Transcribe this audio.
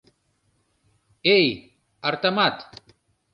Эй, артамат!